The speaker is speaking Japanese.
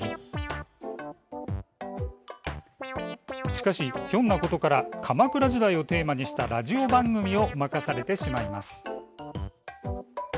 しかし、ひょんなことから鎌倉時代をテーマにしたラジオ番組を任されてしまいます。